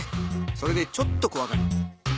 それでちょっとこわがり。